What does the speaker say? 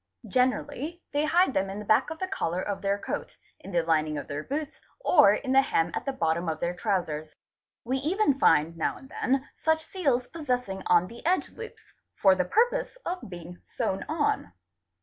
Generally they hide them in the back of the collar of _ their coat, in the lining of their boots, or in the hem at the bottom of their trousers. We even find now and then such seals possessing on _ the edge loops, for the purpose of being sewn on.